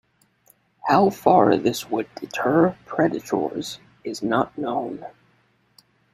How far this would deter predators is not known.